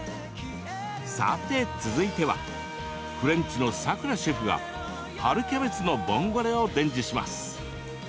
さて、続いてはフレンチのさくらシェフが春キャベツのボンゴレを伝授します。